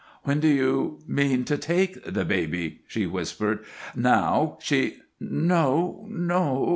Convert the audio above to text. "When do you mean to take the baby?" she whispered. "Now She " "No, no!